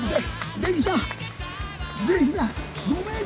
できた！